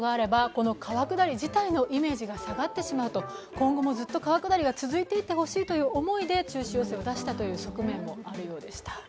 今後もずっと川下りが続いていってほしいという思いで中止要請を出したという側面もあるようでした。